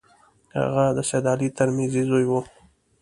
هغه د سید علي ترمذي زوی وو.